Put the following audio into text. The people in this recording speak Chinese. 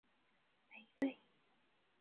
合酶是催化合成反应的酶类。